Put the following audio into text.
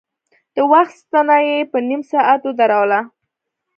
د وخت ستنه يې په نيم ساعت ودروله.